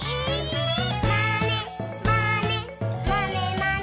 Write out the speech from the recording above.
「まねまねまねまね」